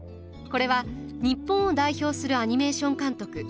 これは日本を代表するアニメーション監督